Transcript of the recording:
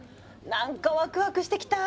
なんかワクワクしてきた。